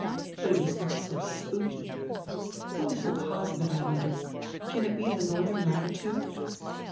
But it was not so spooky. What is die cause of it, I wonder? Can it be die northern latitude?"